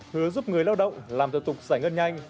hứa giúp người lao động làm thờ tục giải ngân nhanh